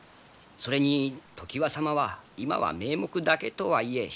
それに常磐様は今は名目だけとはいえ人妻。